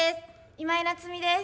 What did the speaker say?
今井菜津美です。